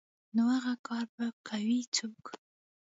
نو اغه کار به کوي څوک.